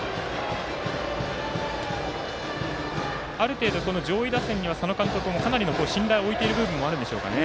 ある程度上位打線には佐野監督もかなりの信頼を置いている部分もあるんでしょうかね。